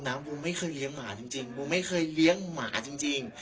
บูมไม่เคยเลี้ยงหมาจริงบูมไม่เคยเลี้ยงหมาจริง